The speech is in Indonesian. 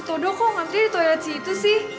aduh todo kok nganterin di toilet situ sih